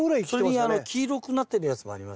それに黄色くなってるやつもありますよ。